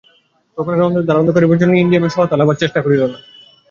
তখন আর অনন্তের ধারণা করিবার জন্য ইন্দ্রিয়ের সহায়তা-লাভের চেষ্টা রহিল না।